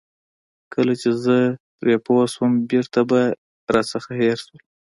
کله چې زه پرې پوه شوم بېرته به رانه هېر شول.